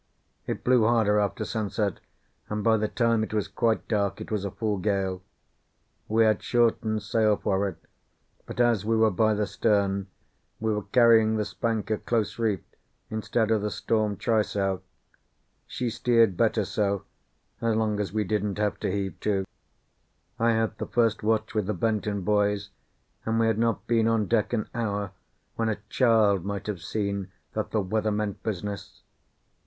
It blew harder after sunset, and by the time it was quite dark it was a full gale. We had shortened sail for it, but as we were by the stern we were carrying the spanker close reefed instead of the storm trysail. She steered better so, as long as we didn't have to heave to. I had the first watch with the Benton boys, and we had not been on deck an hour when a child might have seen that the weather meant business.